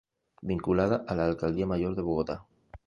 Vinculada a la Alcaldía Mayor de Bogotá.